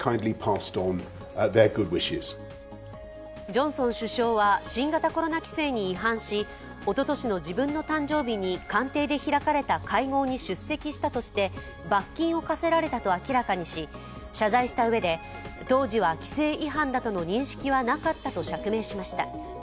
ジョンソン首相は新型コロナ規制に違反しおととしの自分の誕生日に官邸で開かれた会合に出席したとして罰金を科せられたと明らかにし、謝罪したうえで当時は、規制違反だとの認識はなかったと釈明しました。